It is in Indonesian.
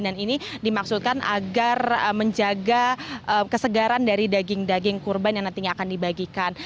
dan ini dimaksudkan agar menjaga kesegaran dari daging daging kurban yang nantinya akan dibagikan